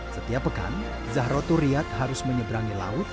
setiap pekan zahro turiat harus menyeberangi laut